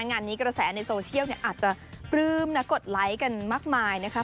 งานนี้กระแสในโซเชียลอาจจะปลื้มนะกดไลค์กันมากมายนะคะ